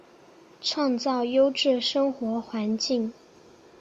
创造优质生活环境